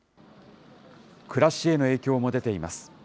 暮らしへの影響も出ています。